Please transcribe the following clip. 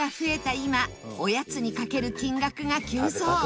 今おやつにかける金額が急増！